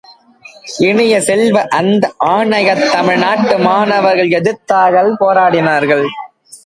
இனிய செல்வ, அந்த ஆணையத் தமிழ்நாட்டு மாணவர்கள் எதிர்த்தார்கள் போராடினார்கள்.